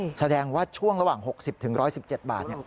แล้วแสดงว่าช่วงระหว่าง๖๐บาทถึง๑๑๗บาท